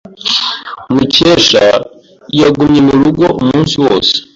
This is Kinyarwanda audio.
Mukesha yagumye murugo umunsi wose.